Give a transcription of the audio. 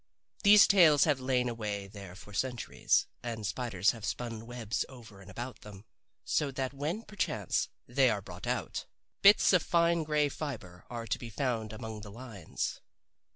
These tales have lain away there for centuries, and spiders have spun webs over and about them, so that when, perchance, they are brought out, bits of fine gray fiber are to be found among the lines.